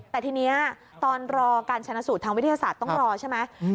แต่ทีนี้ตอนรอการชนะสูตรทางวิทยาศาสตร์ต้องรอใช่ไหม